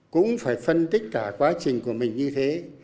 cũng phải phân tích cả quá trình của mình như thế